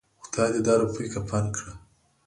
خداى دې دا روپۍ کفن کړه.